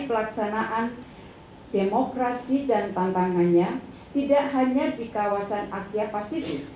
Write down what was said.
pelaksanaan demokrasi dan tantangannya tidak hanya di kawasan asia pasifik